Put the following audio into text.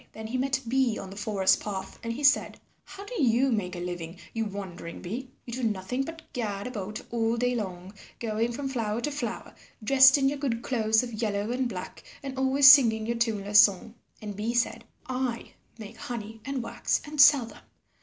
Then he met Bee on the forest path and he said, "How do you make a living, you wandering bee? You do nothing but gad about all day long, going from flower to flower dressed in your good clothes of yellow and black and always singing your tuneless song?" And Bee said, "I make honey and wax and sell them.